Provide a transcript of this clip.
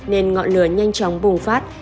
nên ngọn lửa nhanh chóng bùng phát